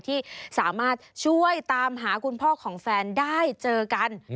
ที่สามารถช่วยตามหาคุณพ่อของแฟนได้เจอกัน